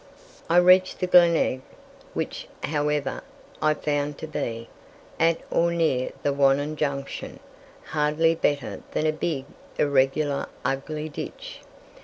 I reached the Glenelg, which, however, I found to be, at or near the Wannon junction, hardly better than a big, irregular, ugly ditch.